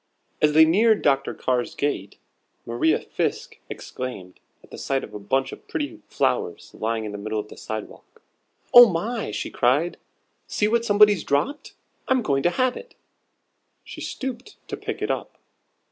As they neared Dr. Carr's gate, Maria Fiske exclaimed, at the sight of a pretty bunch of flowers lying in the middle of the sidewalk: "Oh my!" she cried, "see what somebody's dropped! I'm going to have it." She stooped to pick it up.